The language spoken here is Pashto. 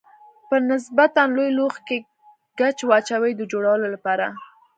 په نسبتا لوی لوښي کې ګچ واچوئ د جوړولو لپاره.